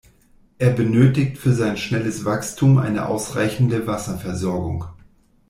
Er benötigt für sein schnelles Wachstum eine ausreichende Wasserversorgung.